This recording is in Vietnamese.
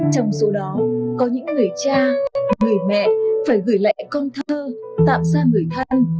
trong số đó có những người cha người mẹ phải gửi lại con thơ tạm xa người thân